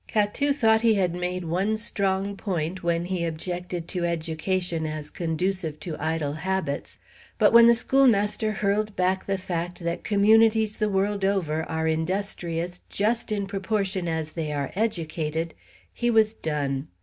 Catou thought he had made one strong point when he objected to education as conducive to idle habits; but when the schoolmaster hurled back the fact that communities the world over are industrious just in proportion as they are educated, he was done.